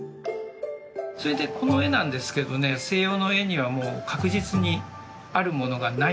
それでこの絵なんですけどね西洋の絵にはもう確実にあるものがないってことが一つあるんですけど。